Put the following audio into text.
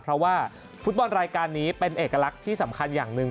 เพราะว่าฟุตบอลรายการนี้เป็นเอกลักษณ์ที่สำคัญอย่างหนึ่ง